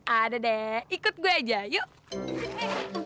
ada deh ikut gue aja yuk